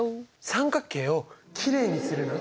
三角形をきれいにするの？